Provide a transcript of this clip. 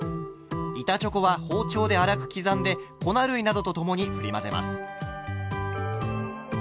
板チョコは包丁で粗くきざんで粉類などと共にふり混ぜます。